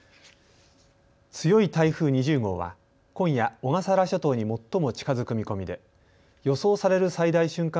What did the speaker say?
強い台風２０号は今夜、小笠原諸島に最も近づく見込みで予想される最大瞬間